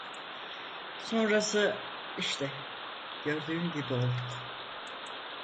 Sonrası işte gördüğün gibi olduk!